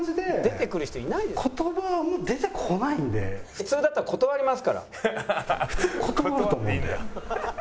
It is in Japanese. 「普通だったら断りますから」。